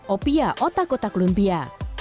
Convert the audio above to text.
opia otak otak lumpia